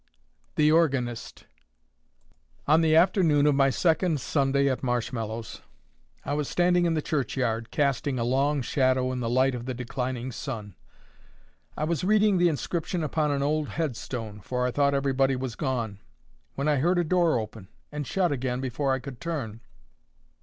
THE ORGANIST. On the afternoon of my second Sunday at Marshmallows, I was standing in the churchyard, casting a long shadow in the light of the declining sun. I was reading the inscription upon an old headstone, for I thought everybody was gone; when I heard a door open, and shut again before I could turn.